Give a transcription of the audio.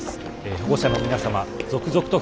保護者の皆様続々と